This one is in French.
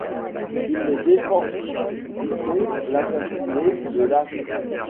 Il les défend, dût-on l'assassiner, le lâche !-